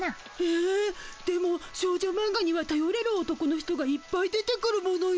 えっでも少女マンガにはたよれる男の人がいっぱい出てくるものよ。